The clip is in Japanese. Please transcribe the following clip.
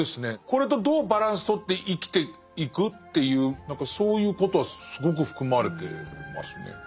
これとどうバランス取って生きていく？っていう何かそういうことはすごく含まれてますね。